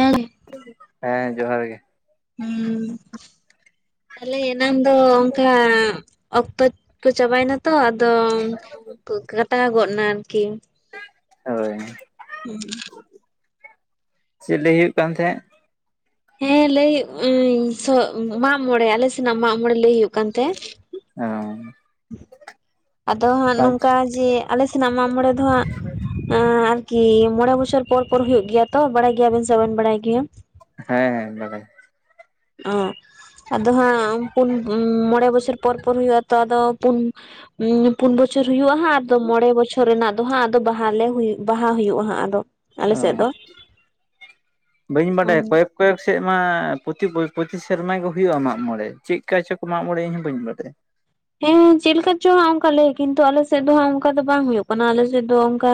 ᱦᱮᱸ ᱾ ᱦᱮᱸ ᱡᱚᱦᱟᱨ ᱜᱮ ᱾ ᱦᱩᱸ ᱛᱟᱦᱞᱮ ᱮᱱᱟᱝ ᱫᱚ ᱚᱝᱠᱟ ᱚᱠᱛᱚ ᱛᱚ ᱪᱟᱵᱟᱭᱱᱟ ᱛᱚ ᱟᱫᱚᱻ ᱛᱳ ᱠᱟᱴᱟᱣ ᱜᱚᱫ ᱱᱟ ᱟᱨᱠᱤ ᱾ ᱦᱳᱭ, ᱪᱮᱫ ᱞᱟᱹᱭ ᱦᱳᱭᱳᱜ ᱠᱟᱱ ᱛᱟᱦᱮᱸᱫ? ᱦᱮᱸ ᱞᱟᱹᱭ ᱟᱸᱧ ᱥᱚᱜ ᱢᱟᱜ ᱢᱚᱸᱬᱮ ᱟᱞᱮ ᱥᱮᱱᱟᱜ ᱢᱟᱜ ᱢᱚᱸᱬᱮ ᱞᱟᱹᱭ ᱦᱩᱭᱩᱜ ᱠᱟᱱ ᱛᱟᱦᱮᱸᱜ ᱾ ᱚ ᱾ ᱟᱫᱚ ᱦᱟᱸᱜ ᱱᱚᱝᱠᱟ ᱡᱮ ᱟᱞᱮ ᱥᱮᱱᱟᱜ ᱢᱟᱜ ᱢᱚᱸᱬᱮ ᱫᱚ ᱦᱟᱸᱜ ᱮᱸᱻ ᱟᱨᱠᱤ ᱢᱚᱬᱮ ᱵᱚᱪᱷᱚᱨ ᱯᱚᱨ ᱯᱚᱨ ᱦᱩᱭᱩᱜ ᱜᱮᱭᱟ ᱛᱚ, ᱵᱟᱲᱟᱭ ᱜᱮᱭᱟᱵᱮᱱ ᱥᱮ ᱵᱟᱵᱮᱱ ᱵᱟᱲᱟᱭ ᱜᱮᱭᱟ? ᱦᱮᱸ ᱦᱮᱸ ᱵᱟᱲᱟᱭ ᱾ ᱚ ᱾ ᱟᱫᱚ ᱦᱟᱸᱜ ᱯᱩᱱ ᱩᱸ ᱢᱚᱬᱮ ᱵᱚᱪᱷᱚᱨ ᱯᱚᱨ ᱯᱚᱨ ᱦᱩᱭᱩᱜ ᱟ ᱛᱚ ᱟᱫᱚ ᱯᱩᱱ ᱩᱸ ᱯᱩᱱ ᱵᱚᱪᱷᱚᱨ ᱦᱩᱭᱩᱜᱼᱟ ᱦᱟᱸᱜ ᱟᱫᱚ ᱢᱚᱬᱮ ᱵᱚᱪᱷᱚᱨ ᱨᱮᱱᱟᱜ ᱫᱚ ᱦᱟᱸᱜ ᱟᱫᱚ ᱵᱟᱦᱟ ᱞᱮ ᱦᱩᱭ ᱵᱟᱦᱟ ᱦᱩᱭᱩᱜᱼᱟ ᱦᱟᱸᱜ ᱟᱫᱚ ᱾ ᱚ, ᱵᱟᱹᱧ ᱵᱟᱰᱟᱭᱟ ᱠᱚᱭᱮᱠ ᱠᱚᱭᱮᱠ ᱥᱮᱫ ᱢᱟ ᱯᱚᱛᱤ ᱵᱳᱭ ᱯᱚᱛᱤ ᱥᱮᱨᱢᱟ ᱜᱮ ᱦᱩᱭᱩᱜᱼᱟ ᱢᱟᱜ ᱢᱚᱬᱮ, ᱪᱮᱠᱠᱟ ᱪᱚ ᱠᱚ ᱢᱟᱜ ᱢᱚᱬᱮᱜ ᱤᱧᱦᱚᱸ ᱵᱟᱹᱧ ᱵᱟᱲᱟᱭᱟ ᱾ ᱦᱮᱸ ᱪᱮ ᱞᱮᱠᱟ ᱪᱚ ᱦᱟᱸᱜ ᱚᱱᱠᱟ ᱞᱟᱹᱭ ᱠᱤᱱᱛᱩ ᱟᱞᱮ ᱥᱮᱫ ᱫᱚ ᱦᱟᱸᱜ ᱚᱱᱠᱟ ᱫᱚ ᱵᱟᱝ ᱦᱩᱭᱩᱜ ᱠᱟᱱᱟ, ᱟᱞᱮ ᱥᱮᱫ ᱫᱚ ᱚᱱᱠᱟ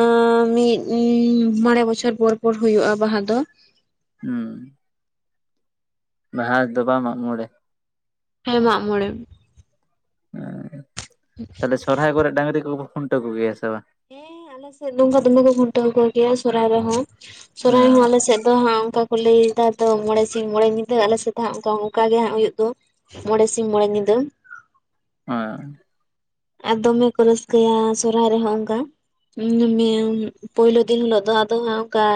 ᱟᱸᱻ ᱢᱤᱫ ᱮᱸ ᱢᱚᱬᱮ ᱵᱚᱪᱷᱚᱨ ᱯᱚᱨ-ᱯᱚᱨ ᱦᱩᱭᱩᱜᱼᱟ ᱵᱟᱦᱟ ᱫᱚ ᱾ ᱦᱩᱸ, ᱵᱟᱦᱟ ᱫᱚ ᱵᱟᱝ ᱢᱟᱜ ᱢᱚᱬᱮ ᱾ ᱦᱮᱸ ᱢᱟᱜ ᱢᱚᱬᱮ ᱾ ᱚ, ᱛᱟᱦᱚᱞᱮ ᱥᱚᱨᱦᱟᱭ ᱠᱚᱨᱮ ᱰᱟᱹᱝᱨᱤ ᱠᱚᱯᱮ ᱠᱷᱩᱱᱴᱟᱹᱣ ᱠᱚᱜᱮᱭᱟ ᱥᱮ ᱵᱟᱝ? ᱦᱮᱸ ᱟᱞᱮ ᱥᱮᱫ ᱱᱚᱝᱠᱟ ᱫᱚᱢᱮ ᱠᱚ ᱠᱷᱩᱱᱴᱟᱹᱣ ᱠᱚ ᱜᱮᱭᱟ ᱥᱚᱨᱦᱟᱭ ᱨᱮᱦᱚᱸ, ᱚ ᱥᱚᱨᱦᱟᱭ ᱦᱚᱸ ᱟᱞᱮ ᱥᱮᱫ ᱟᱫᱚ ᱦᱟᱸᱜ ᱚᱱᱠᱟ ᱞᱟᱹᱭ ᱫᱟ ᱛᱚ ᱢᱚᱬᱮ ᱥᱤᱧ ᱢᱚᱬᱮ ᱧᱤᱫᱟᱹ ᱟᱞᱮ ᱥᱮᱫ ᱫᱚ ᱦᱟᱸᱜ ᱚᱱᱠᱟ ᱚᱱᱠᱟ ᱜᱮ ᱦᱟᱸᱜ ᱦᱩᱭᱩᱜ ᱫᱚ ᱾ ᱢᱚᱬᱮ ᱥᱤᱧ ᱢᱚᱬᱮ ᱧᱤᱫᱟᱹ ᱾ ᱚ ᱾ ᱟᱨ ᱫᱚᱢᱮ ᱠᱚ ᱨᱟᱹᱥᱠᱟᱹᱭᱟ ᱥᱚᱨᱦᱟᱭ ᱨᱮᱦᱚᱸ ᱚᱱᱠᱟ ᱾ [unintelligible] ᱯᱩᱭᱞᱩ ᱫᱤᱱ ᱦᱤᱞᱚᱜ ᱫᱚ ᱟᱫᱚ ᱦᱟᱸᱜ ᱚᱱᱠᱟ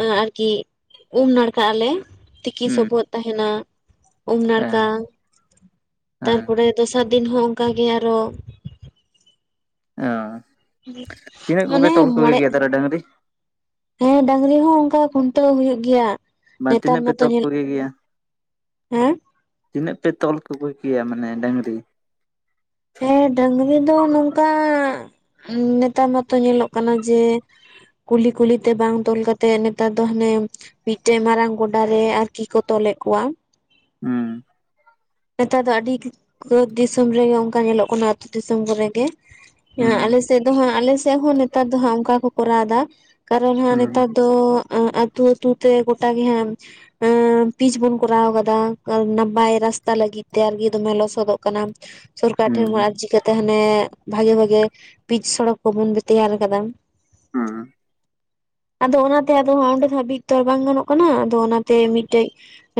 ᱮᱸ ᱟᱨᱠᱤ ᱩᱢ ᱱᱟᱲᱠᱟᱜ ᱟᱞᱮ ᱾ ᱛᱤᱠᱤ ᱥᱚᱵᱚᱫ ᱛᱟᱦᱮᱱᱟ, ᱩᱢ ᱱᱟᱲᱠᱟ ᱦᱮᱸ ᱾ ᱦᱮᱸ ᱛᱟᱨᱯᱚᱨᱮ ᱫᱚᱥᱟᱨ ᱫᱤᱱ ᱦᱚᱸ ᱚᱱᱠᱟ ᱜᱮ ᱟᱨᱚ ᱚ, ᱛᱤᱱᱟᱹᱜ ᱠᱚᱯᱮ ᱢᱟᱱᱮ ᱛᱚᱞ ᱠᱚᱜᱮ ᱢᱚᱬᱮ ᱜᱮᱭᱟ ᱛᱟᱦᱚᱞᱮ ᱰᱟᱹᱝᱨᱤ? ᱦᱮᱸ ᱰᱟᱹᱝᱨᱤ ᱦᱚᱸ ᱚᱱᱠᱟ ᱠᱷᱩᱱᱴᱟᱹᱣ ᱦᱩᱭᱩᱜ ᱜᱮᱭᱟ᱾ ᱵᱟ ᱱᱮᱛᱟᱨ ᱛᱤᱱᱟᱹᱜ ᱯᱮ ᱢᱟᱛᱚ ᱛᱚᱞ ᱧᱮᱞ ᱠᱚᱜᱮ ᱜᱮᱭᱟ? ᱦᱮᱸ? ᱛᱤᱱᱟᱹᱜ ᱯᱮ ᱛᱚᱞ ᱠᱚᱜᱮ ᱠᱮᱭᱟ ᱢᱟᱱᱮ ᱰᱟᱹᱝᱨᱤ? ᱦᱮᱸ ᱰᱟᱹᱝᱨᱤ ᱫᱚ ᱱᱚᱝᱠᱟ ᱱᱮᱛᱟᱨ ᱢᱟᱛᱚ ᱧᱮᱞᱚᱜ ᱠᱟᱱᱟ ᱡᱮ ᱠᱩᱞᱦᱤ ᱠᱩᱞᱦᱤᱛᱮ ᱵᱟᱝ ᱛᱚᱞ ᱠᱟᱛᱮᱫ ᱱᱮᱛᱟᱨ ᱫᱚ ᱦᱟᱱᱮ ᱢᱤᱫᱴᱮᱱ ᱢᱟᱨᱟᱝ ᱜᱚᱰᱟ ᱨᱮ ᱟᱨᱠᱤ ᱠᱚ ᱛᱚᱞᱮᱫ ᱠᱚᱣᱟ᱾ ᱦᱩᱸ᱾ ᱱᱮᱛᱟᱨ ᱫᱚ ᱟᱹᱰᱤ, ᱠᱩᱫ ᱫᱤᱥᱚᱢ ᱨᱮᱜᱮ ᱚᱱᱠᱟ ᱧᱮᱞᱚᱜ ᱠᱟᱱᱟ ᱟᱛᱳ ᱫᱤᱥᱚᱢ ᱠᱚᱨᱮ ᱜᱮ᱾ ᱦᱩᱸ ᱦᱮᱸ ᱟᱞᱮ ᱥᱮᱫ ᱫᱚ ᱦᱟᱸᱜ ᱟᱞᱮ ᱥᱮᱫ ᱦᱚᱸ ᱱᱮᱛᱟᱨ ᱫᱚ ᱦᱟᱸᱜ ᱚᱱᱠᱟ ᱠᱚ ᱠᱚᱨᱟᱣᱫᱟ᱾ ᱠᱟᱨᱚᱱ ᱦᱟᱸᱜ ᱦᱩᱸ ᱱᱮᱛᱟᱨ ᱫᱚ ᱟᱸᱜ ᱟᱹᱛᱩ ᱟᱹᱛᱩ ᱛᱮ ᱜᱚᱴᱟ ᱜᱮ ᱦᱟᱸᱜ ᱦᱮᱸ ᱯᱤᱪ ᱵᱚᱱ ᱠᱚᱨᱟᱣ ᱠᱟᱫᱟ [unintelligible] ᱛᱟ ᱞᱟᱹᱜᱤᱫ ᱛᱮ ᱟᱨᱠᱤ ᱫᱚᱢᱮ ᱞᱚᱥᱚᱫᱚᱜ ᱠᱟᱱᱟ, ᱥᱚᱨᱠᱟᱨ ᱴᱷᱮᱱ ᱦᱩᱸ ᱵᱟᱱ ᱟᱨᱡᱤ ᱠᱟᱛ ᱛᱮ ᱦᱟᱱᱮ ᱵᱷᱟᱜᱮ ᱵᱷᱟᱜᱮ ᱯᱤᱪ ᱥᱚᱲᱚᱠ ᱠᱚᱵᱚᱱ ᱛᱮᱭᱟᱨ ᱠᱟᱫᱟ᱾ [inaudible] ᱟᱫᱚ ᱚᱱᱟᱛᱮ ᱟᱫᱚ ᱦᱟᱸᱜ ᱚᱸᱰᱮ ᱫᱷᱟᱵᱤᱡ ᱛᱚ ᱟᱨ ᱵᱟᱝ ᱜᱟᱱᱚᱜ ᱠᱟᱱᱟ ᱟᱫᱚ ᱚᱱᱟᱛᱮ ᱢᱤᱫᱴᱮᱡ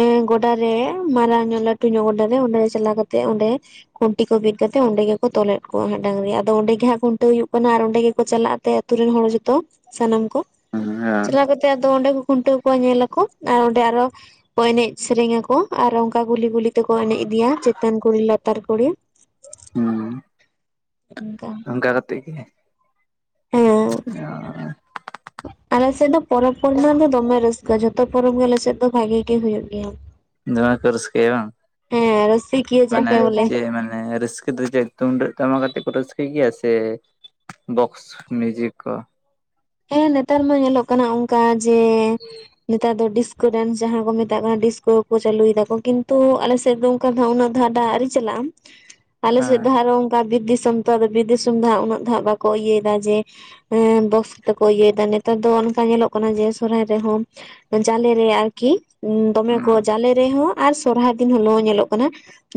ᱮᱸ ᱜᱚᱰᱟ ᱨᱮ ᱢᱟᱨᱟᱝ ᱧᱚᱜ ᱞᱟᱹᱴᱩ ᱧᱚᱜ ᱜᱚᱰᱟ ᱨᱮ, ᱚᱸᱰᱮ ᱪᱟᱞᱟᱣ ᱠᱟᱛᱮᱜ ᱚᱸᱰᱮ ᱠᱷᱩᱱᱴᱤ ᱠᱚ ᱵᱤᱫ ᱠᱟᱛᱮᱜ ᱚᱸᱰᱮ ᱜᱮᱠᱚ ᱛᱚᱞᱮᱫ ᱠᱚᱣᱟ ᱦᱟᱸᱜ ᱰᱟᱝᱨᱤ, ᱟᱫᱚ ᱚᱸᱰᱮ ᱜᱮ ᱦᱟᱸᱜ ᱠᱷᱩᱱᱴᱟᱹᱣ ᱦᱩᱭᱩᱜ ᱠᱟᱱᱟ ᱟᱨ ᱚᱸᱰᱮ ᱜᱮᱠᱚ ᱪᱟᱞᱟᱜ ᱛᱮ ᱟᱛᱩ ᱨᱮᱱ ᱦᱚᱲ ᱡᱚᱛᱚ ᱥᱟᱱᱟᱢ ᱠᱚ, ᱦᱮᱸ ᱪᱟᱞᱟᱣ ᱠᱟᱛᱮ ᱛᱮ ᱟᱫᱚ ᱚᱸᱰᱮ ᱠᱚ ᱠᱷᱩᱱᱴᱟᱹᱣ ᱠᱚᱣᱟ ᱧᱮᱞᱟᱠᱩ ᱟᱨ ᱚᱸᱰᱮ ᱟᱨᱚ ᱠᱚ ᱮᱱᱮᱡ ᱥᱮᱨᱮᱧ ᱟᱠᱚ ᱟᱨ ᱚᱱᱠᱟ ᱜᱩᱞᱤ ᱜᱩᱞᱤ ᱛᱮᱠᱚ ᱮᱱᱮᱡ ᱤᱫᱤᱭᱟ ᱪᱮᱛᱟᱱ ᱠᱩᱞᱤ ᱞᱟᱛᱟᱨ ᱠᱩᱲᱤ᱾ ᱦᱩᱸ᱾ ᱱᱚᱝᱠᱟ᱾ ᱜᱟ ᱠᱟᱛᱮᱜ ᱜᱮ᱾ ᱦᱮᱸ ᱟᱞᱮ ᱥᱮᱫ ᱫᱚ ᱯᱚᱨᱚᱵᱽ ᱠᱚᱨᱮ ᱱᱟᱜ ᱫᱚ ᱫᱚᱢᱮ ᱨᱟᱹᱥᱠᱟᱹ, ᱡᱷᱚᱛᱚ ᱯᱚᱨᱚᱵᱽ ᱜᱮ ᱟᱞᱮ ᱥᱮᱫ ᱫᱚ ᱵᱷᱟᱜᱤ ᱜᱮ ᱦᱩᱭᱩᱜ ᱜᱮᱭᱟ᱾ ᱫᱚᱢᱮ ᱠᱚ ᱨᱟᱹᱥᱠᱟᱹᱭᱟ ᱵᱟᱝ ᱦᱮᱸ ᱨᱩᱥᱤᱠᱤᱭᱟᱹ ᱢᱟᱱᱮ ᱡᱟᱠᱮ ᱵᱚᱞᱮ ᱪᱮ ᱢᱟᱱᱮ ᱨᱟᱹᱥᱠᱟᱹ ᱫᱚ ᱪᱮᱫ ᱛᱩᱢᱫᱟᱜ ᱴᱟᱢᱟᱠᱟ ᱟᱛᱮᱜ ᱠᱚ ᱨᱟᱹᱥᱠᱟᱹᱭ ᱜᱮᱭᱟ ᱥᱮ ᱵᱚᱠᱥ ᱢᱤᱭᱩᱡᱤᱠ ᱠᱚ? ᱦᱮᱸ ᱱᱮᱛᱟᱨ ᱢᱟ ᱧᱮᱞᱚᱜ ᱠᱟᱱᱟ ᱚᱱᱠᱟ ᱡᱮ ᱱᱮᱛᱟᱨ ᱫᱚ ᱰᱤᱥ ᱠᱚ ᱰᱮᱱᱥ ᱡᱟᱦᱟᱸ ᱠᱚ ᱢᱮᱛᱟᱜ ᱠᱟᱱᱟ ᱰᱤᱥᱠᱳ ᱠᱚ ᱪᱟᱹᱞᱩᱭ ᱫᱟᱠᱚ᱾ ᱠᱤᱱᱛᱩ ᱟᱞᱮ ᱥᱮᱫ ᱫᱚ ᱚᱱᱠᱟ ᱫᱚ ᱦᱟᱸᱜ ᱩᱱᱟᱹᱜ ᱫᱚ ᱦᱟᱸᱜ ᱰᱟ ᱟᱣᱨᱤ ᱪᱟᱠᱟᱜ ᱪᱟᱞᱟᱜ-ᱟ᱾ [inaudible] ᱟᱞᱮ ᱥᱮᱫ ᱫᱚ ᱦᱟᱸᱜ ᱟᱨᱚ ᱚᱱᱠᱟ ᱵᱤᱨ ᱫᱤᱥᱚᱢ᱾ ᱛᱚ ᱟᱨ ᱵᱤᱨ ᱫᱤᱥᱚᱢ ᱫᱚ ᱦᱟᱸᱜ ᱩᱱᱟᱹᱜ ᱫᱚ ᱦᱟᱸᱜ ᱵᱟᱠᱚ ᱤᱭᱟᱹᱭᱮᱫᱟ ᱡᱮ ᱦᱮᱸ ᱵᱚᱠᱥ ᱛᱮᱠᱚ ᱤᱭᱟᱹᱭᱮᱫᱟ᱾ ᱱᱮᱛᱟᱨ ᱫᱚ ᱚᱱᱠᱟ ᱧᱮᱞᱚᱜ ᱠᱟᱱᱟ ᱡᱮ ᱥᱚᱦᱚᱨᱟᱭ ᱨᱮᱦᱚᱸ ᱡᱟᱞᱮ ᱨᱮ ᱟᱨᱠᱤ᱾ ᱫᱚᱢᱮ ᱠᱚ ᱦᱩᱸ ᱡᱟᱞᱮ ᱨᱮᱦᱚᱸ ᱟᱨ ᱥᱚᱨᱦᱟᱭ ᱫᱤᱱ ᱦᱤᱞᱳᱜ ᱦᱚᱸ ᱧᱮᱞᱚᱜ ᱠᱟᱱᱟ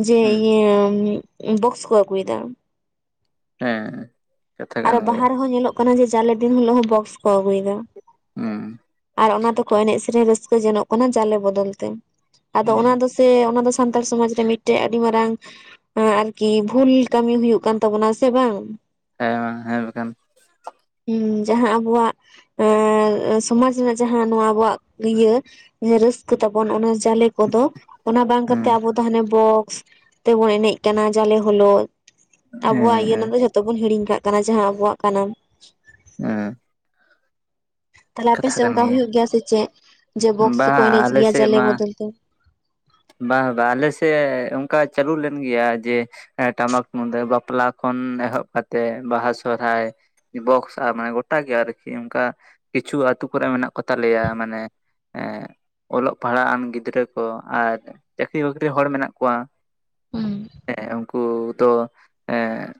ᱡᱮ ᱦᱩᱸ ᱤᱭᱟᱹ ᱵᱚᱠᱥ ᱠᱚ ᱟᱹᱜᱩᱭᱫᱟ, ᱦᱮᱸ ᱠᱟᱛᱷᱟ ᱠᱟᱱ ᱜᱮᱭᱟ ᱵᱟᱦᱟ ᱨᱮᱦᱚᱸ ᱧᱮᱞᱚᱜ ᱠᱟᱱᱟ ᱡᱮ ᱡᱟᱞᱮ ᱫᱤᱱ ᱦᱤᱞᱳᱜ ᱦᱚᱸ ᱵᱚᱠᱥ ᱠᱚ ᱦᱩᱸ ᱟᱹᱜᱩᱭᱫᱟ᱾ᱸᱟᱨ ᱚᱱᱟ ᱛᱮᱠᱚ ᱮᱱᱮᱡ ᱥᱮᱨᱮᱧ ᱨᱟᱹᱥ ᱠᱟᱹ ᱡᱚᱱᱚᱜ ᱠᱟᱱᱟ ᱡᱟᱞᱮ ᱵᱚᱫᱚᱞ ᱛᱮ᱾ ᱟᱫᱚ ᱦᱩᱸ ᱚᱱᱟ ᱫᱚ ᱥᱮ ᱚᱱᱟ ᱫᱚ ᱥᱟᱱᱛᱟᱲ ᱥᱚᱢᱟᱡᱽ ᱨᱮ ᱢᱤᱫᱴᱮᱱ ᱟᱹᱰᱤ ᱢᱟᱨᱟᱝ ᱦᱮᱸ ᱟᱨᱠᱤ ᱵᱷᱩᱞ ᱠᱟᱹᱢᱤ ᱦᱩᱭᱩᱜ ᱠᱟᱱ ᱛᱟᱵᱚᱱᱟ ᱥᱮ ᱵᱟᱝ᱾ ᱦᱮᱸ ᱢᱟᱝ ᱦᱮᱸ ᱢᱮᱱᱠᱷᱟᱱ᱾ ᱦᱩᱸ ᱡᱟᱦᱟᱸ ᱟᱵᱚᱣᱟᱜ ᱮᱸ ᱥᱚᱢᱟᱡ ᱨᱮᱱᱟᱜ ᱡᱟᱦᱟᱸ ᱱᱚᱣᱟ ᱟᱵᱚᱣᱟᱜ ᱤᱭᱟᱹ ᱨᱟᱹᱥᱠᱟᱹ ᱛᱟᱵᱚᱱ ᱚᱱᱟ ᱡᱟᱞᱮ ᱠᱚᱫᱚ ᱚᱱᱟ ᱵᱟᱝ ᱦᱮᱸ ᱠᱟᱛᱮᱜ ᱟᱵᱚ ᱫᱚ ᱦᱟᱱᱮ ᱵᱚᱠᱥ ᱛᱮᱵᱚᱱ ᱮᱱᱮᱡ ᱠᱟᱱᱟ ᱡᱟᱞᱮ ᱦᱳᱞᱚᱜ᱾ ᱟᱵᱚᱣᱟᱜ ᱤᱭᱟᱹ ᱦᱮᱸ ᱨᱮᱱᱟᱜ ᱫᱚ ᱡᱷᱚᱛᱚ ᱵᱚᱱ ᱦᱤᱲᱤᱧ ᱠᱟᱜ ᱠᱟᱱᱟ ᱡᱟᱦᱟᱸ ᱟᱵᱚᱣᱟᱜ ᱠᱟᱱᱟ᱾ ᱦᱮᱸ᱾ ᱛᱟᱦᱞᱮ ᱠᱟᱛᱷᱟ ᱟᱯᱮᱥᱮᱫ ᱠᱟᱱ ᱚᱱᱠᱟ ᱦᱩᱭᱩᱜᱭ ᱜᱮᱭᱟ ᱥᱮ ᱪᱮᱫ? ᱡᱮ ᱵᱚᱠᱥ ᱵᱟᱝ ᱛᱮᱠᱟ ᱮᱱᱮᱡ ᱟᱞᱮ ᱜᱮᱭᱟ ᱥᱮᱫ ᱡᱟᱞᱮ ᱢᱟ ᱵᱚᱫᱚᱞ ᱛᱮ᱾ ᱵᱟᱝ ᱵᱟᱝ ᱟᱞᱮᱥᱮᱫ ᱚᱱᱠᱟ ᱪᱟᱹᱞᱩ ᱞᱮᱱ ᱜᱮᱭᱟ ᱡᱮ ᱴᱟᱢᱟᱠ ᱢᱩᱫᱟᱹ ᱵᱟᱯᱞᱟ ᱠᱷᱚᱱ ᱮᱦᱚᱵ ᱠᱟᱛᱮᱜ ᱵᱟᱦᱟ ᱥᱚᱦᱨᱟᱭ ᱵᱚᱠᱥ ᱟᱨ ᱢᱟᱱᱮ ᱜᱚᱴᱟ ᱜᱮ ᱟᱨᱠᱤ ᱚᱱᱠᱟ ᱠᱤᱪᱷᱩ ᱟᱹᱛᱩ ᱠᱚᱨᱮ ᱢᱮᱱᱟᱜ ᱠᱚ ᱛᱟᱞᱮᱭᱟ ᱢᱟᱱᱮ ᱮᱸᱜ ᱚᱞᱚᱜ ᱯᱟᱲᱦᱟᱜ ᱟᱢ ᱜᱤᱫᱽᱨᱟᱹ ᱠᱚ ᱟᱨ ᱪᱟᱹᱠᱨᱤ ᱵᱟᱹᱠᱨᱤ ᱦᱚᱲ ᱢᱮᱱᱟᱜ ᱠᱚᱣᱟ ᱦᱮᱸ ᱦᱮᱸ ᱩᱱᱠᱩ ᱫᱚ ᱮᱸ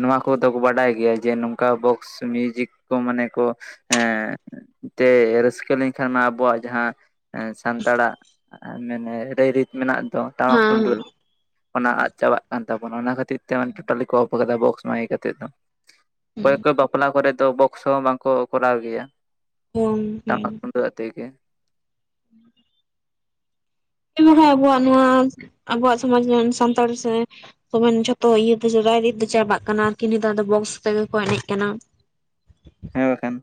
ᱱᱚᱣᱟ ᱠᱚᱫᱚ ᱵᱟᱰᱟᱭ ᱜᱮᱭᱟ, ᱡᱮ ᱱᱚᱝᱠᱟ ᱵᱚᱠᱥ ᱢᱤᱭᱩᱡᱤᱠ ᱠᱚ ᱢᱟᱱᱮ ᱠᱚ ᱦᱮᱸ ᱛᱮ ᱨᱟᱹᱥᱠᱟᱹ ᱞᱮᱱᱠᱷᱟᱱ ᱢᱟ ᱟᱵᱚᱣᱟᱜ ᱡᱟᱦᱟᱸ ᱥᱟᱱᱛᱟᱲᱟᱜ ᱟᱨ ᱢᱟᱱᱮ ᱨᱟᱹᱭ ᱨᱤᱛ ᱢᱮᱱᱟᱜ ᱫᱚ ᱴᱟᱢᱟᱠ ᱦᱮᱸ ᱛᱩᱢᱫᱟᱹᱜ ᱚᱱᱟ ᱟᱫ ᱪᱟᱵᱟᱜ ᱠᱟᱱ ᱛᱟᱵᱚᱱᱟ ᱚᱱᱟ ᱠᱷᱟᱹᱛᱤᱨ ᱛᱮ ᱴᱚᱴᱟᱞᱤ ᱠᱚ ᱚᱯᱷ ᱟᱠᱟᱫᱟ ᱵᱚᱠᱥ ᱢᱟᱤᱠ ᱠᱟᱛᱮ ᱫᱚ᱾ ᱦᱮᱸ ᱚᱠᱚᱭ ᱠᱚᱭ ᱵᱟᱯᱞᱟ ᱠᱚᱨᱮᱫ ᱫᱚ ᱵᱚᱠᱥ ᱦᱚᱸ ᱵᱟᱝᱠᱚ ᱠᱚᱨᱟᱣ ᱜᱮᱭᱟ᱾ ᱦᱚᱸ ᱦᱮᱸ᱾ [unintelligible] ᱛᱮ ᱜᱮ᱾ [unintelligible] ᱟᱵᱚᱣᱟᱜ ᱱᱚᱣᱟ ᱟᱵᱚᱣᱟᱜ ᱥᱚᱢᱟᱡᱽ ᱨᱮᱱ ᱥᱟᱱᱛᱟᱲ ᱥᱮ ᱛᱚᱢᱮ ᱡᱷᱚᱛᱚ ᱤᱭᱟᱹ ᱫᱚ ᱨᱟᱭ ᱨᱤᱛ ᱫᱚ ᱪᱟᱵᱟᱜ ᱠᱟᱱᱟ, ᱠᱤ ᱱᱤᱛᱟᱨ ᱫᱚ ᱵᱚᱠᱥ ᱛᱮᱜᱮ ᱠᱚ ᱮᱱᱮᱡ ᱠᱟᱱᱟ᱾ ᱦᱮᱸ ᱵᱟᱠᱷᱟᱱ᱾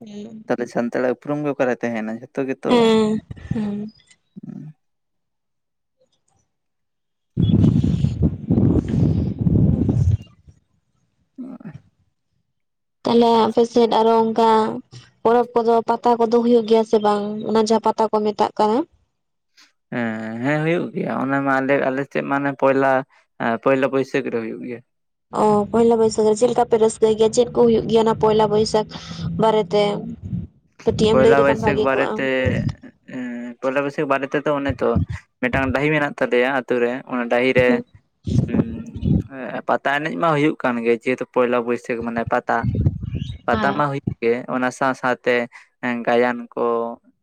ᱦᱩᱸ᱾ ᱛᱟᱦᱚᱞᱮ ᱥᱟᱱᱛᱟᱲᱟᱜ ᱩᱯᱨᱩᱢ ᱜᱮ ᱚᱠᱟᱨᱮ ᱛᱟᱦᱮᱱᱟ, ᱡᱷᱚᱛᱚ ᱜᱮᱛᱚ ᱦᱩᱸ᱾ [inaudible] [unintelligible] ᱛᱟᱦᱞᱮ ᱟᱯᱮ ᱥᱮᱫ ᱟᱨᱚ ᱚᱱᱠᱟ ᱯᱚᱨᱚᱵᱽ ᱠᱚᱫᱚ ᱯᱟᱛᱟ ᱠᱚᱫᱚ ᱦᱩᱭᱩᱜ ᱜᱮᱭᱟ ᱥᱮ ᱵᱟᱝ? ᱚᱱᱟ ᱡᱟᱦᱟᱸ ᱯᱟᱛᱟ ᱠᱚ ᱢᱮᱛᱟᱜ ᱠᱟᱱᱟ᱾ ᱦᱮᱸ ᱦᱮᱸ ᱦᱩᱭᱩᱜ ᱜᱮᱭᱟ ᱚᱱᱟ ᱢᱟ ᱟᱞᱮ ᱟᱞᱮᱥᱮᱫ ᱢᱟᱱᱮ ᱯᱚᱭᱞᱟ ᱦᱮᱸ ᱯᱚᱭᱞᱟ ᱵᱟᱹᱭᱥᱟᱹᱠᱷ ᱨᱮ ᱦᱩᱭᱩᱜ ᱜᱮᱭᱟ᱾ ᱚ ᱯᱚᱭᱞᱟ ᱵᱟᱹᱭᱥᱟᱹᱠᱷ ᱨᱮ ᱪᱮᱫ ᱞᱮᱠᱟ ᱯᱮ ᱨᱟᱹᱥᱠᱟᱹᱭ ᱜᱮᱭᱟ? ᱪᱮᱫ ᱠᱚ ᱦᱩᱭᱩᱜ ᱜᱮᱭᱟ ᱚᱱᱟ ᱯᱚᱭᱞᱟ ᱵᱟᱹᱭᱥᱟᱹᱠᱷ ᱵᱟᱨᱮᱛᱮ ᱠᱟᱹᱴᱤᱡ ᱮᱢ ᱞᱟᱹᱭ ᱞᱮᱠᱷᱟᱱ ᱵᱷᱟᱹᱜᱮ ᱠᱚᱜᱼᱟ᱾ ᱮᱸ ᱯᱚᱭᱞᱟ ᱵᱟᱹᱭᱥᱟᱠᱷ ᱵᱟᱨᱮ ᱛᱮᱫᱚ ᱚᱱᱮ ᱛᱚ, ᱢᱤᱫᱴᱟᱝ ᱰᱟᱺᱦᱤ ᱢᱮᱱᱟᱜ ᱛᱟᱞᱮᱭᱟ ᱛᱩ ᱨᱮ ᱚᱱᱟ ᱰᱟᱦᱤ ᱨᱮ ᱛᱟ ᱮᱱᱮᱡ ᱢᱟ ᱦᱩᱭᱩᱜ ᱠᱟᱱ ᱜᱮᱭᱟ ᱡᱮᱦᱮᱛᱩ ᱯᱚᱭᱞᱟ ᱵᱟᱹᱭᱥᱟᱹᱠᱷ ᱢᱟᱱᱮ ᱯᱟᱛᱟ ᱯᱟᱛᱟ ᱢᱟ ᱦᱩᱭᱩᱜ ᱚᱱᱟ ᱥᱟᱶ ᱥᱟᱶᱛᱮ ᱜᱟᱭᱟᱱ ᱠᱚ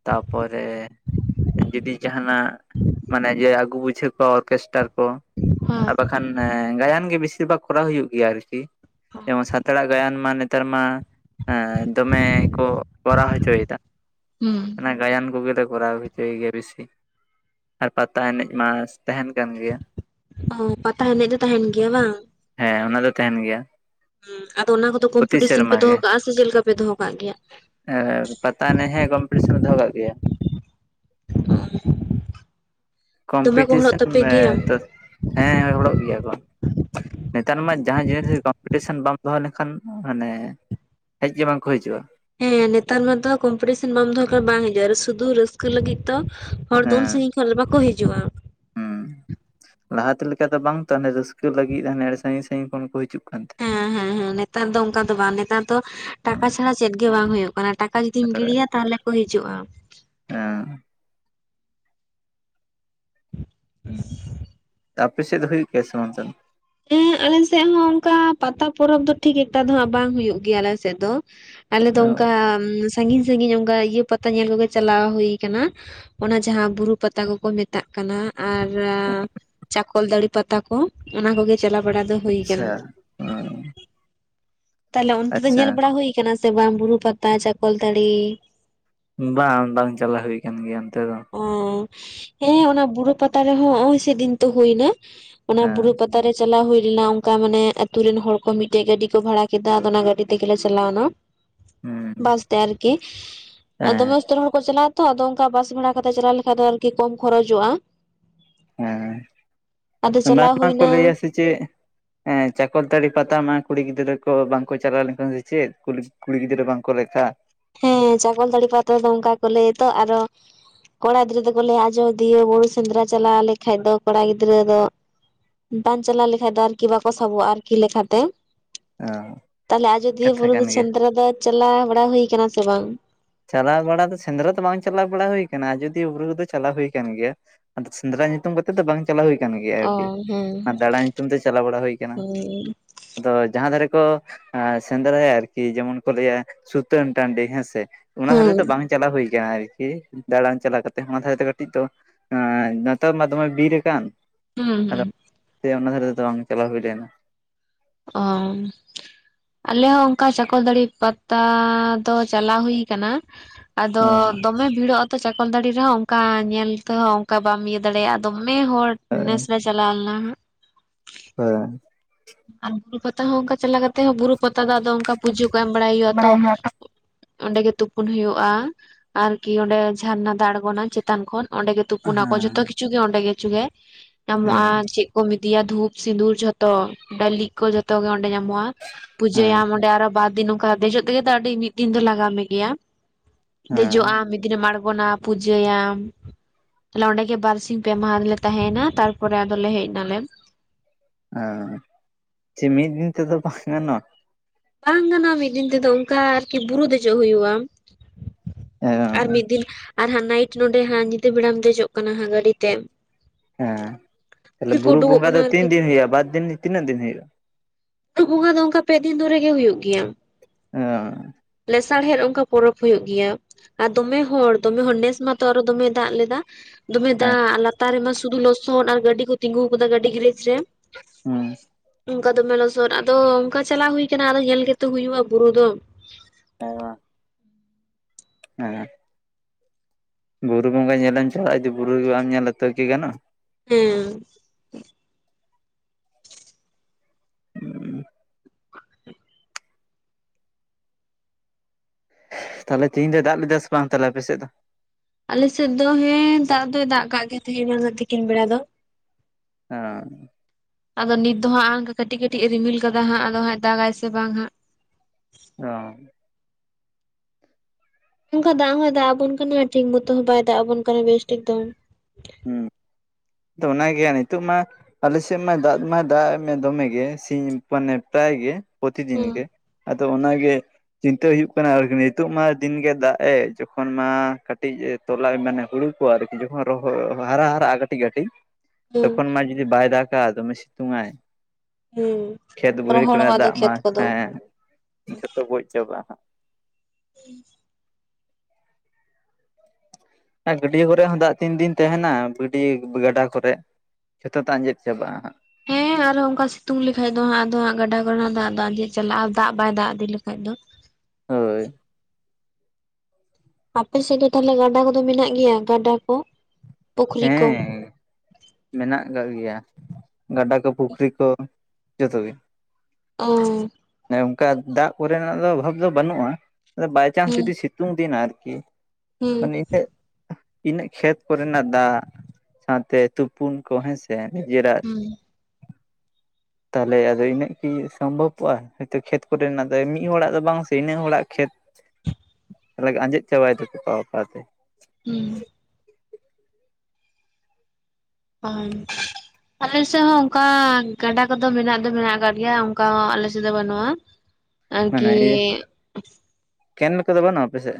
ᱛᱟᱯᱚᱨᱮ ᱡᱩᱫᱤ ᱡᱟᱦᱟᱱᱟᱜ ᱢᱟᱱᱮ ᱡᱮ ᱟᱹᱜᱩ ᱵᱩᱡᱷᱟᱹᱣ ᱚᱨᱠᱮᱥᱴᱟᱨ ᱠᱚ, ᱟᱨ ᱵᱟᱠᱷᱟᱱ ᱜᱟᱭᱟᱱ ᱜᱮ ᱵᱮᱥᱤᱨ ᱵᱷᱟᱜᱽ ᱠᱚᱨᱟᱣ ᱦᱩᱭᱩᱜ ᱜᱮᱭᱟ ᱟᱨᱠᱤ᱾ ᱡᱮᱢᱚᱱ ᱥᱟᱱᱛᱟᱲᱟᱜ ᱜᱟᱭᱟᱱ ᱢᱟ ᱱᱮᱛᱟᱨ ᱢᱟ ᱫᱚᱢᱮ ᱠᱚ ᱪᱚᱭ ᱫᱟ ᱚᱱᱟ ᱜᱟᱭᱟᱱ ᱠᱚᱜᱮᱞᱮ ᱠᱚᱨᱟᱣ ᱪᱟᱹᱭ ᱜᱮᱭᱟ ᱵᱮᱥᱤ ᱟᱨ ᱯᱟᱛᱟ ᱮᱱᱮᱡ ᱢᱟ ᱛᱟᱦᱮᱱ ᱠᱟᱱ ᱜᱮᱭᱟ᱾ ᱯᱟᱛᱟ ᱮᱱᱮᱡ ᱫᱚ ᱛᱟᱦᱮᱱ ᱜᱮᱭᱟ ᱵᱟᱝ, ᱦᱮᱸ ᱚᱱᱟ ᱫᱚ ᱛᱟᱦᱮᱱ ᱜᱮᱭᱟ ᱟᱫᱚ ᱚᱱᱟ ᱠᱚᱫᱚ ᱛᱚ ᱯᱨᱚᱛᱤ ᱠᱚᱢᱯᱤᱴᱮᱥᱚᱱ ᱯᱮ ᱥᱮᱨᱢᱟ ᱫᱚᱦᱚ ᱜᱮ ᱠᱟᱜᱼᱟ ᱥᱮ ᱪᱮᱫ ᱞᱮᱠᱟ ᱯᱮ ᱫᱚᱦᱚ ᱠᱟᱜᱼᱟ? ᱯᱤᱴᱤᱥᱮᱱ ᱮ ᱫᱚᱦᱚ ᱠᱟᱜ ᱜᱮᱭᱟ᱾ ᱫᱚᱢᱮ ᱠᱚ ᱦᱚᱲᱚᱜ ᱠᱚᱢᱯᱤᱴᱤᱥᱮᱱ ᱛᱟᱯᱮ ᱢᱮᱸ ᱜᱮᱭᱟ? ᱛᱮ ᱦᱮᱸ ᱦᱚᱲᱚᱜ ᱜᱮᱭᱟ ᱠᱚ᱾ ᱱᱮᱛᱟᱨ ᱢᱟ ᱡᱟᱦᱟᱸ ᱡᱤᱱᱤᱥ ᱜᱮ ᱠᱚᱢᱯᱤᱴᱤᱥᱮᱱ ᱵᱟᱢ ᱫᱚᱦᱚ ᱞᱮᱱᱠᱷᱟᱱ ᱢᱟᱱᱮ ᱦᱮᱡ ᱜᱮ ᱵᱟᱝ ᱠᱚ ᱦᱤᱡᱩᱜᱼᱟ᱾ ᱦᱮᱸ ᱱᱮᱛᱟᱨ ᱢᱟᱛᱚ ᱠᱚᱢᱯᱤᱴᱤᱥᱚᱱ ᱵᱟᱢ ᱫᱚᱦᱚ ᱠᱟᱱ ᱵᱟᱝ ᱦᱤᱡᱩᱜᱼᱟ, ᱥᱩᱫᱷᱩ ᱨᱟᱹᱥᱠᱟᱹ ᱞᱟᱹᱜᱤᱫ ᱛᱚ ᱦᱚᱲ ᱫᱚ ᱩᱱ ᱦᱮᱸ ᱥᱟᱺᱜᱤᱧ ᱠᱷᱚᱱ ᱫᱚ ᱵᱟᱠᱚ ᱦᱤᱡᱩᱜᱼᱟ᱾ ᱦᱩᱸ, ᱞᱟᱦᱟ ᱛᱮ ᱞᱮᱠᱟ ᱫᱚ ᱵᱟᱝ ᱛᱚ ᱦᱟᱱᱮ ᱨᱟᱹᱥᱠᱟᱹ ᱞᱟᱹᱜᱤᱫ ᱦᱟᱱᱮ ᱟᱹᱰᱤ ᱥᱟᱹᱜᱤᱧ ᱥᱟᱹᱜᱤᱧ ᱠᱷᱚᱱ ᱠᱚ ᱦᱤᱡᱩᱜ ᱠᱟᱱ ᱛᱟᱦᱮᱸᱫ᱾ ᱦᱮᱸ ᱦᱮᱸ ᱦᱮᱸ ᱱᱮᱛᱟᱨ ᱫᱚ ᱚᱱᱠᱟ ᱫᱚ ᱵᱟᱝ ᱱᱮᱛᱟᱨ ᱫᱚ ᱴᱟᱠᱟ ᱪᱷᱟᱲᱟ ᱪᱮᱫ ᱜᱮ ᱵᱟᱝ ᱦᱳᱭᱳᱜ ᱠᱟᱱᱟ᱾ ᱴᱟᱠᱟ ᱡᱩᱫᱤᱢ ᱜᱤᱲᱤᱭᱟ ᱛᱟᱦᱞᱮ ᱠᱚ ᱦᱤᱡᱩᱜᱼᱟ᱾ ᱚᱸ᱾ [inaudible] ᱛᱟᱯᱮ ᱥᱮᱫ ᱫᱚ ᱦᱩᱭᱩᱜ ᱜᱮᱭᱟ ᱥᱮ ᱵᱟᱝ ᱛᱟᱦᱞᱮ? ᱦᱮᱸ ᱟᱞᱮ ᱥᱮᱫ ᱦᱚᱸ ᱚᱱᱠᱟ ᱯᱟᱛᱟ ᱯᱚᱨᱚᱵᱽ ᱫᱚ ᱴᱷᱤᱠ ᱮᱠᱴᱟ ᱫᱚ ᱦᱟᱸᱜ ᱵᱟᱝ ᱦᱩᱭᱩᱜ ᱜᱮᱭᱟ ᱟᱞᱮ ᱥᱮᱫ ᱫᱚ᱾ ᱟᱞᱮ ᱫᱚ ᱚ ᱚᱱᱠᱟ ᱥᱟᱹᱜᱤᱧ ᱥᱟᱹᱜᱤᱧ ᱚᱱᱠᱟ ᱤᱭᱟᱹ ᱯᱟᱛᱟ ᱧᱮᱞ ᱠᱚᱜᱮ ᱪᱟᱞᱟᱣ ᱦᱩᱭ ᱟᱠᱟᱱᱟ᱾ ᱚᱱᱟ ᱡᱟᱦᱟᱸ ᱵᱩᱨᱩ ᱯᱟᱛᱟ ᱠᱚᱠᱚ ᱢᱮᱛᱟᱜ ᱠᱟᱱᱟ ᱟᱨ ᱪᱟᱠᱚᱞᱫᱟᱲᱤ ᱯᱟᱛᱟ ᱠᱚ ᱚᱱᱟ ᱠᱚ ᱜᱮ ᱪᱟᱞᱟᱣ ᱵᱟᱲᱟ ᱫᱚ ᱦᱩᱭ ᱠᱟᱱᱟ᱾ ᱟᱪᱪᱷᱟ ᱦᱩᱸ ᱛᱟᱦᱞᱮ ᱚᱱᱛᱮ ᱫᱚ ᱟᱪᱪᱷᱟ ᱧᱮᱞ ᱵᱟᱲᱟ ᱦᱩᱭ ᱟᱠᱟᱱᱟ ᱥᱮ ᱵᱟᱝ ᱵᱩᱨᱩ ᱯᱟᱛᱟ ᱪᱟᱠᱚᱞ ᱛᱟᱹᱲᱤ? ᱵᱟᱝ ᱵᱟᱝ ᱪᱟᱞᱟᱣ ᱦᱩᱭ ᱠᱟᱱ ᱜᱮᱭᱟ ᱚᱱᱛᱮ ᱫᱚ᱾ ᱚ ᱦᱮᱸ ᱚᱱᱟ ᱵᱩᱨᱩ ᱯᱟᱛᱟ ᱨᱮᱦᱚᱸ ᱦᱚᱸᱜᱼᱚᱭ ᱥᱮᱫᱤᱱ ᱛᱚ ᱦᱩᱭᱱᱟ᱾ ᱚᱱᱟ ᱦᱮᱸ ᱵᱩᱨᱩ ᱯᱟᱛᱟ ᱨᱮ ᱪᱟᱞᱟᱣ ᱦᱩᱭ ᱞᱮᱱᱟ ᱚᱱᱠᱟ ᱢᱟᱱᱮ ᱟᱹᱛᱩ ᱨᱮᱱ ᱦᱚᱲ ᱠᱚ ᱢᱤᱫᱴᱮᱡ ᱜᱟᱹᱰᱤ ᱠᱚ ᱵᱷᱟᱲᱟ ᱠᱮᱫᱟ ᱟᱫᱚ ᱚᱱᱟ ᱜᱟᱹᱰᱤ ᱛᱮᱜᱮ ᱞᱮ ᱪᱟᱞᱟᱣ ᱮᱱᱟ᱾ ᱦᱩᱸ ᱵᱟᱥᱛᱮ ᱟᱨᱠᱤ, ᱟ ᱦᱮᱸ ᱫᱚᱢᱮ ᱩᱥᱛᱟᱹᱨ ᱦᱚᱲ ᱠᱚ ᱪᱟᱞᱟᱜᱼᱟ ᱛᱚ ᱟᱫᱚ ᱚᱱᱠᱟ ᱵᱟᱥ ᱵᱷᱟᱲᱟ ᱠᱟᱛᱮ ᱪᱟᱞᱟᱣ ᱞᱮᱠᱷᱟᱡ ᱫᱚ ᱟᱨᱠᱤ ᱠᱚᱢ ᱠᱷᱚᱨᱚᱪᱚᱜᱼᱟ᱾ ᱦᱮᱸ, ᱟᱫᱚ ᱵᱟᱝ ᱪᱟᱞᱟᱣ ᱢᱟ ᱠᱚ ᱦᱩᱭᱱᱟ ᱞᱟᱹᱭᱟ ᱥᱮ ᱪᱮᱫ? ᱮᱸ ᱪᱟᱠᱚᱞᱛᱟᱲᱤ ᱯᱟᱛᱟ ᱢᱟ ᱠᱩᱲᱤ ᱜᱤᱫᱽᱨᱟᱹ ᱠᱚ ᱵᱟᱝ ᱠᱚ ᱪᱟᱞᱟᱣ ᱞᱮᱱᱠᱷᱟᱱ ᱥᱮ ᱪᱮᱫ ᱠᱩᱞᱤ ᱠᱩᱲᱤ ᱜᱤᱫᱽᱨᱟᱹ ᱵᱟᱝᱠᱚ ᱞᱮᱠᱷᱟᱜ-ᱟ᱾ ᱦᱮᱸ ᱪᱟᱠᱚᱞᱛᱟᱲᱤ ᱯᱟᱛᱟ ᱫᱚ ᱚᱱᱠᱟ ᱠᱚ ᱞᱟᱹᱭᱟ ᱛᱚ ᱟᱨᱚ ᱠᱚᱲᱟ ᱜᱤᱫᱽᱨᱟᱹ ᱫᱚᱠᱚ ᱞᱟᱹᱭᱟ ᱟᱡᱚᱫᱤᱭᱟᱹ ᱵᱩᱨᱩ ᱥᱮᱸᱫᱽᱨᱟ ᱪᱟᱞᱟᱣ ᱞᱮᱠᱷᱟᱡ ᱫᱚ ᱠᱚᱲᱟ ᱜᱤᱫᱽᱨᱟᱹ ᱫᱚ ᱵᱟᱝ ᱪᱟᱞᱟᱣ ᱞᱮᱠᱷᱟᱡ ᱫᱚ ᱟᱨᱠᱤ ᱵᱟᱠᱚ ᱥᱟᱵᱚᱜᱼᱟ ᱟᱨᱠᱤ ᱞᱮᱠᱷᱟ ᱛᱮ᱾ ᱛᱟᱞᱦᱮ ᱟᱡᱚᱫᱤᱭᱟᱹ ᱠᱟᱛᱷᱟ ᱵᱩᱨᱩ ᱫᱚ ᱠᱟᱱ ᱜᱮᱭᱟ ᱥᱮᱸᱫᱽᱨᱟ ᱫᱚ ᱪᱟᱞᱟᱣ ᱵᱟᱲᱟ ᱦᱩᱭ ᱠᱟᱱᱟ ᱥᱮ ᱵᱟᱝ? ᱪᱟᱞᱟᱣ ᱵᱟᱲᱟ ᱫᱚ ᱥᱮᱸᱫᱽᱨᱟ ᱫᱚ ᱵᱟᱝ ᱪᱟᱞᱟᱣ ᱵᱟᱲᱟ ᱦᱩᱭ ᱟᱠᱟᱱᱟ, ᱟᱡᱚᱫᱤᱭᱟᱹ ᱵᱩᱨᱩ ᱨᱮᱫᱚ ᱪᱟᱞᱟᱣ ᱦᱩᱭ ᱠᱟᱱ ᱜᱮᱭᱟ᱾ ᱟᱫᱚ ᱥᱮᱸᱫᱽᱨᱟ ᱧᱩᱛᱩᱢ ᱠᱟᱛᱮᱫ ᱫᱚ ᱵᱟᱝ ᱪᱟᱞᱟᱣ ᱦᱩᱭ ᱟᱠᱟᱱ ᱜᱮᱭᱟ ᱚ ᱟᱨᱠᱤ, ᱦᱮᱸ ᱚᱱᱟ ᱫᱟᱬᱟ ᱧᱩᱛᱩᱢ ᱛᱮ ᱪᱟᱞᱟᱣ ᱵᱟᱲᱟ ᱦᱩᱭ ᱠᱟᱱᱟ᱾ ᱦᱮᱸ ᱟᱫᱚ ᱡᱟᱦᱟᱸ ᱫᱷᱟᱨᱮ ᱠᱚ ᱮᱸ ᱥᱮᱸᱫᱽᱨᱟᱭ ᱟᱨᱠᱤ ᱡᱮᱢᱚᱱ ᱠᱚ ᱞᱟᱹᱭᱟ ᱥᱩᱛᱟᱹᱱ ᱴᱟᱺᱰᱤ ᱦᱮᱸ ᱥᱮ, ᱚᱱᱟ ᱫᱷᱟᱨᱮ ᱫᱚ ᱵᱟᱝ ᱪᱟᱞᱟᱣ ᱦᱩᱭ ᱡᱟᱦᱟᱸ ᱟᱨᱠᱤ ᱫᱟᱲᱟᱱ ᱪᱟᱞᱟᱣ ᱠᱟᱛᱮ ᱚᱱᱟ ᱫᱷᱟᱨᱮ ᱫᱮ ᱠᱟᱹᱴᱤᱡ ᱫᱚ ᱮᱸ ᱱᱮᱛᱟᱨ ᱢᱟ ᱫᱚᱢᱮ ᱵᱤᱨ ᱟᱠᱟᱱ᱾ ᱦᱩᱸ ᱦᱩᱸ᱾ ᱛᱮ ᱚᱱᱟ ᱫᱷᱟᱨᱮ ᱨᱮᱫᱚ ᱵᱟᱝ ᱪᱟᱞᱟᱣ ᱦᱩᱭ ᱞᱮᱱᱟ᱾ ᱚ᱾ ᱟᱞᱮ ᱦᱚᱸ ᱚᱱᱠᱟ ᱪᱟᱠᱚᱞᱛᱟᱲᱤ ᱯᱟᱛᱟ ᱫᱚ ᱪᱟᱞᱟᱣ ᱦᱩᱭ ᱟᱠᱟᱱᱟ᱾ ᱟᱫᱚ ᱚ ᱫᱚᱢᱮ ᱵᱷᱤᱲᱚᱜᱼᱟ ᱛᱚ ᱪᱟᱠᱚᱞᱛᱟᱲᱤ ᱨᱮᱦᱚᱸ ᱚᱱᱠᱟ ᱧᱮᱞ ᱛᱮᱦᱚᱸ ᱚᱱᱠᱟ ᱵᱟᱢ ᱤᱭᱟᱹ ᱫᱟᱲᱮᱭᱟᱜᱼᱟ ᱫᱚᱢᱮ ᱦᱚᱲ ᱱᱮᱥ ᱱᱮᱥ ᱪᱟᱞᱟᱣ ᱞᱮᱱᱟ ᱦᱟᱜ᱾ ᱦᱳᱭ᱾ ᱟᱨ ᱵᱩᱨᱩ ᱯᱟᱛᱟ ᱦᱚᱸ ᱚᱱᱠᱟ ᱪᱟᱞᱟᱣ ᱠᱟᱛᱮ ᱦᱚᱸ ᱵᱩᱨᱩ ᱯᱟᱛᱟ ᱫᱚ ᱟᱫᱚ ᱚᱱᱠᱟ ᱯᱩᱡᱟᱹ ᱠᱚ ᱮᱢ ᱵᱟᱲᱟᱭ ᱦᱩᱭᱩᱜᱼᱟ ᱛᱚ᱾ ᱚᱸᱰᱮ ᱜᱮ ᱛᱩᱯᱩᱱ ᱦᱩᱭᱩᱜᱼᱟ᱾ ᱟᱨᱠᱤ ᱚᱸᱰᱮ ᱡᱷᱟᱨᱱᱟ ᱫᱟᱜ ᱟᱬᱜᱚᱱᱟ ᱪᱮᱛᱟᱱ ᱠᱷᱚᱱ ᱚᱸᱰᱮ ᱜᱮ ᱛᱚ ᱛᱩᱯᱩᱱᱟ ᱦᱮᱸ ᱠᱚ ᱡᱚᱛᱚ ᱠᱤᱪᱷᱩ ᱜᱮ ᱚᱸᱰᱮ ᱜᱮᱪᱷᱩ ᱜᱮ ᱧᱟᱢᱚᱜᱼᱟ ᱦᱮᱸ ᱪᱮᱫ ᱠᱚᱢ ᱤᱫᱤᱭᱟ ᱫᱷᱩᱯ ᱥᱤᱸᱫᱩᱨ ᱡᱷᱚᱛᱚ ᱰᱟᱹᱞᱤᱡ ᱠᱚ ᱡᱷᱚ ᱛᱚ ᱜᱮ ᱚᱸᱰᱮ ᱧᱟᱢᱚᱜᱼᱟ᱾ ᱦᱮᱸ ᱯᱩᱡᱟᱹᱭᱟᱢ ᱚᱸᱰᱮ ᱟᱨᱚ ᱵᱟᱨ ᱫᱤᱱ ᱠᱟ ᱫᱮᱡᱚᱜ ᱛᱮᱜᱮ ᱛᱚ ᱟᱹᱰᱤ ᱢᱤᱫ ᱫᱤᱱ ᱫᱚ ᱞᱟᱜᱟᱣ ᱢᱮᱜᱮᱭᱟ᱾ ᱦᱮᱸ ᱫᱮᱡᱚᱜᱼᱟᱢ ᱫᱤᱱᱟ ᱟᱲᱜᱚᱱᱟ ᱯᱩᱡᱭᱟᱟᱢ ᱛᱟᱦᱠᱮ ᱚᱸᱰᱮ ᱜᱮ ᱵᱟᱨᱥᱤᱧ ᱯᱮ ᱢᱟᱦᱟ ᱨᱮᱞᱮ ᱛᱟᱦᱮᱸᱭᱮᱱᱟ ᱛᱟᱨᱯᱚᱨᱮ ᱟᱫᱚᱞᱮ ᱦᱮᱡ ᱱᱟᱞᱮ᱾ ᱦᱮ ᱪᱮ ᱢᱤᱫ ᱫᱤᱱ ᱛᱮᱫᱚ ᱵᱟᱝ ᱜᱟᱱᱚᱜᱼᱟ᱾ ᱵᱟᱝ ᱜᱟᱱᱚᱜᱼᱟ ᱢᱤᱫ ᱫᱤᱱ ᱛᱮᱫᱚ ᱚᱱᱠᱟ ᱟᱨᱠᱤ ᱵᱩᱨᱩ ᱫᱮᱡᱚᱜ ᱦᱩᱭᱩᱜᱼᱟ᱾ ᱟᱨ ᱢᱤᱫ ᱫᱤᱱ ᱟᱨ ᱦᱟᱸᱜ ᱱᱟᱭᱤᱴ ᱱᱚᱰᱮ ᱦᱟᱸᱜ ᱧᱤᱫᱟᱹ ᱵᱮᱲᱟᱢ ᱫᱮᱡᱚᱜ ᱠᱟᱱᱟ ᱦᱟᱸᱜ ᱜᱟᱹᱰᱤ ᱛᱮ᱾ ᱦᱮᱸ ᱛᱟᱦᱚᱞᱮ ᱛᱤᱨᱮᱠᱚ ᱵᱩᱨᱩ ᱩᱰᱩᱠᱚᱜ ᱵᱚᱸᱜᱟ ᱫᱚ ᱠᱟᱱᱟ ᱛᱤᱱ ᱟᱨᱠᱤ ᱫᱤᱱ ᱦᱩᱭᱩᱜᱼᱟ ᱵᱟᱨ ᱫᱤᱱ ᱛᱤᱱᱟᱹᱜ ᱫᱤᱱ ᱦᱩᱭᱩᱜᱼᱟ? ᱵᱩᱨᱩ ᱵᱚᱸᱜᱟ ᱫᱚ ᱚᱱᱠᱟ ᱯᱮ ᱫᱤᱱ ᱫᱷᱚᱨᱮ ᱜᱮ ᱦᱩᱭᱩᱜ ᱜᱮᱭᱟ᱾ [unintelligible] ᱞᱮᱥᱟᱲᱦᱮᱫ ᱚᱱᱠᱟ ᱯᱚᱨᱚᱵᱽ ᱦᱩᱭᱩᱜ ᱜᱮᱭᱟ᱾ ᱟᱨ ᱫᱚᱢᱮ ᱦᱚᱲ ᱫᱚᱢᱮ ᱦᱚᱲ ᱱᱮᱥ ᱢᱟᱛᱚ ᱟᱨᱚ ᱫᱚᱢᱮᱭ ᱫᱟᱜ ᱞᱮᱫᱟ᱾ ᱫᱚᱢᱮ ᱫᱟᱜ ᱦᱮᱸ ᱟᱨ ᱞᱟᱛᱟᱨ ᱨᱮᱢᱟ ᱥᱩᱫᱩ ᱞᱚᱥᱚᱫ ᱟᱨ ᱜᱟᱹᱰᱤ ᱠᱚ ᱛᱤᱸᱜᱩ ᱟᱠᱟᱫᱟ ᱜᱟᱹᱰᱤ ᱜᱮᱨᱮᱡ ᱨᱮ᱾ ᱦᱩᱸ᱾ ᱚᱱᱠᱟ ᱫᱚᱢᱮ ᱞᱚᱥᱚᱫ ᱟᱫᱚ ᱚᱱᱠᱟ ᱪᱟᱞᱟ ᱦᱩᱭ ᱟᱠᱟᱱᱟ ᱟᱫᱚ ᱧᱮᱞ ᱜᱮᱛᱮ ᱦᱩᱭᱩᱜᱼᱟ ᱵᱩᱨᱩ ᱫᱚ᱾ [unintelligible] ᱦᱮᱸ᱾ ᱵᱩᱨᱩ ᱵᱚᱸᱜᱟ ᱧᱮᱞᱮᱢ ᱪᱟᱞᱟᱜᱼᱟ ᱡᱚᱫᱤ ᱵᱩᱨᱩ ᱜᱮ ᱵᱟᱢ ᱧᱮᱞᱟ ᱛᱚ ᱠᱤ ᱜᱟᱱᱚᱜᱼᱟ᱾ ᱦᱩᱸ᱾ [unintelligible] ᱛᱟᱦᱚᱞᱮ ᱛᱮᱦᱤᱧ ᱫᱚᱭ ᱫᱟᱜ ᱞᱮᱫᱟ ᱥᱮ ᱵᱟᱝ ᱛᱟᱞᱮ ᱟᱯᱮ ᱥᱮᱫ ᱫᱚ? ᱟᱞᱮ ᱥᱮᱫ ᱦᱮᱸ ᱫᱟᱜ ᱫᱚᱭ ᱫᱟᱜ ᱠᱟᱜ ᱜᱮᱭᱟ ᱛᱤᱠᱤᱱ ᱵᱮᱲᱟ ᱫᱚ᱾ ᱦᱟᱸ᱾ ᱟᱫᱚ ᱱᱤᱛ ᱫᱚ ᱦᱟᱸᱜ ᱠᱟᱹᱴᱤᱡ ᱠᱟᱹᱴᱤᱡ ᱮ ᱨᱤᱢᱤᱞ ᱠᱟᱫᱟ ᱦᱟᱸᱜ ᱟᱫᱚ ᱦᱟᱜ ᱫᱟᱜᱟᱭ ᱥᱮ ᱵᱟᱝ ᱦᱟᱸᱜ᱾ ᱚᱻ ᱚᱱᱠᱟ ᱫᱟᱜ ᱦᱚᱸᱭ ᱫᱟᱜ ᱟᱵᱚᱱ ᱠᱟᱱᱟ ᱟᱨ ᱴᱷᱤᱠ ᱢᱚᱛᱚ ᱦᱚᱸ ᱵᱟᱭ ᱫᱟᱜ ᱟᱵᱚᱱ ᱠᱟᱱᱟ ᱵᱮᱥ ᱴᱷᱤᱠᱫᱚ᱾ ᱦᱩᱸ᱾ ᱛᱚ ᱚᱱᱟ ᱜᱮ ᱱᱤᱛᱳᱜ ᱢᱟ ᱟᱞᱮ ᱥᱮᱫ ᱢᱟᱭ ᱫᱟᱜ ᱢᱟᱭ ᱫᱟᱜ ᱢᱮ ᱫᱚᱢᱮᱜ ᱜᱮ ᱥᱤᱧ ᱢᱟᱱᱮ ᱯᱨᱟᱭ ᱜᱮ ᱯᱨᱚᱛᱤᱫᱤᱱ ᱦᱮᱸ ᱜᱮ᱾ ᱟᱫᱚ ᱚᱱᱟ ᱜᱮᱼᱼ ᱪᱤᱱᱛᱟᱹ ᱦᱩᱭᱩᱜ ᱠᱟᱱᱟ ᱟᱨᱠᱤ ᱱᱤᱛᱚᱜ ᱢᱟ ᱫᱤᱱᱜᱮ ᱫᱟᱜ ᱮᱜ ᱡᱚᱠᱷᱚᱱ ᱢᱟ ᱠᱟᱹᱴᱤᱡᱼᱼ ᱛᱚᱞᱟ ᱢᱟᱱᱮ ᱦᱩᱲᱩ ᱠᱚ ᱟᱨᱠᱤ ᱡᱚᱠᱷᱚᱱ ᱨᱚᱦᱚᱭ ᱦᱟᱨᱟᱜ ᱦᱟᱨᱟ [unintelligible] ᱦᱮᱸ ᱛᱚᱠᱷᱚᱱ ᱢᱟ ᱡᱩᱫᱤ ᱵᱟᱭ ᱫᱟᱜᱼᱟ ᱫᱚᱢᱮ ᱥᱤᱛᱩᱝ ᱟᱭᱼᱼ ᱦᱮᱸ ᱠᱷᱮᱛ ᱵᱟᱹᱭᱦᱟᱹᱲ ᱨᱚᱦᱚᱲᱚᱜᱼᱟ ᱠᱚᱨᱮᱱᱟᱜ ᱟᱫᱚ ᱫᱟᱜ ᱢᱟ ᱠᱷᱮᱛ ᱠᱚᱫᱚ ᱦᱮᱸ ᱡᱚᱛᱚ ᱜᱚᱡ ᱪᱟᱵᱟᱜᱼᱟ᱾ [unintelligible] ᱜᱟᱹᱰᱭᱟᱹ ᱠᱚᱨᱮ ᱦᱚᱸ ᱫᱟᱜ ᱛᱤᱱ ᱫᱤᱱ ᱛᱟᱦᱮᱱᱟ ᱜᱟᱹᱰᱭᱟᱹ ᱜᱟᱰᱟ ᱠᱚᱨᱮ᱾ ᱡᱚᱛᱚ ᱛᱚ ᱟᱸᱡᱮᱫ ᱪᱟᱵᱟᱜᱼᱟ ᱦᱟᱜ᱾ ᱦᱮᱸ ᱟᱨᱦᱚ ᱚᱱᱠᱟ ᱥᱤᱛᱩᱝ ᱞᱮᱠᱷᱟᱡ ᱫᱚ ᱦᱟᱜ ᱟᱫᱚ ᱦᱟᱜ ᱜᱟᱰᱟ ᱠᱚᱨᱮ ᱫᱟᱜ ᱫᱟᱜ ᱟᱫᱚ ᱟᱸᱡᱮᱫ ᱪᱟᱞᱟᱜᱼᱟ ᱫᱟᱜ ᱵᱟᱭ ᱫᱟᱜ ᱤᱫᱤ ᱞᱮᱠᱷᱷᱟᱡ ᱫᱚ᱾ ᱦᱳᱭ᱾ ᱟᱯᱮᱥᱮᱫ ᱛᱟᱦᱚᱞᱮ ᱜᱟᱰᱟ ᱠᱚᱫᱚ ᱢᱮᱱᱟᱜ ᱜᱮᱭᱟ ᱜᱟᱰᱟ ᱠᱚ? ᱯᱩᱠᱷᱨᱤ ᱠᱚ? ᱦᱮᱸᱻ ᱢᱮᱱᱟᱜ ᱠᱟᱜ ᱜᱮᱭᱟ ᱜᱟᱰᱟ ᱠᱚ ᱯᱩᱠᱷᱨᱤ ᱠᱚ ᱡᱷᱚᱛᱚ ᱜᱮ᱾ [unintelligible] ᱚᱱᱠᱟ ᱫᱟᱜ ᱠᱚᱨᱮᱱᱟᱜ ᱫᱚ ᱚᱵᱷᱟᱵᱽ ᱫᱚ ᱵᱟᱹᱱᱩᱜᱼᱟ᱾ ᱵᱟᱭᱪᱟᱱᱥ ᱦᱮᱸ ᱡᱩᱫᱤ ᱥᱤ ᱥᱤᱛᱩᱝ ᱫᱤᱱ ᱟᱨᱠᱤ ᱦᱮᱸ ᱢᱟᱱᱮ ᱤᱱᱟᱹᱜ ᱤᱱᱟᱹᱜ ᱠᱷᱮᱛ ᱠᱚᱨᱮᱱᱟᱜ ᱫᱟᱜ ᱥᱟᱶᱛᱮ ᱛᱩᱯᱩᱱ ᱠᱚ ᱦᱮᱸᱥᱮ ᱱᱤᱡᱮᱨᱟᱜ ᱦᱩᱸ ᱛᱟᱦᱚᱞᱮ ᱟᱫᱚ ᱤᱱᱟᱹᱜ ᱠᱤ ᱥᱚᱢᱵᱷᱚᱵ᱾ ᱠᱚᱜ-ᱟ ᱱᱚᱛᱮ ᱠᱷᱮᱛ ᱠᱚ ᱨᱮᱱᱟᱜ ᱫᱚ ᱢᱤᱫ ᱦᱚᱲᱟᱜ ᱫᱚ ᱵᱟᱝ ᱥᱮ ᱤᱱᱟᱹᱜ ᱦᱚᱲᱟᱜ ᱠᱷᱮᱛ ᱾ ᱟᱞᱮ ᱜᱮ ᱟᱸᱡᱮᱫ ᱪᱟᱵᱟᱭ [unintelligible] ᱦᱩᱸ ᱾ [unintelligible] ᱟᱞᱮᱥᱮᱫ ᱦᱚᱸ ᱚᱱᱠᱟ ᱜᱟᱰᱟ ᱠᱚ ᱫᱚ ᱢᱮᱱᱟᱜ ᱫᱚ ᱢᱮᱱᱟᱜ ᱟᱠᱟᱫ ᱜᱮᱭᱟ ᱚᱱᱠᱟ ᱦᱚᱸ ᱟᱞᱮᱥᱮᱫ ᱫᱚ ᱵᱟᱹᱱᱩᱜ-ᱟ ᱾ [inaudible] ᱢᱟᱱᱮ ᱤᱭᱟᱹ [inaudible] ᱠᱮᱱᱮᱞ ᱠᱚ ᱫᱚ ᱵᱟᱹᱱᱩᱜ-ᱟ ᱟᱯᱮᱥᱮᱫ?